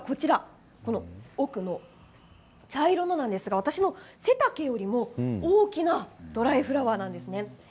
この奥の茶色いものなんですが私の背丈よりも大きなドライフラワーなんですね。